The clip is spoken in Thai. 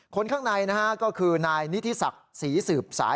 คนข้างในนะฮะก็คือนายนิธิศักดิ์ศรีสืบสาย